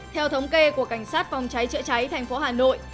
theo thống kê của cảnh sát phòng cháy trợ cháy tp hà nội